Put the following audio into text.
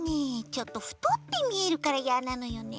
ちょっとふとってみえるからいやなのよね。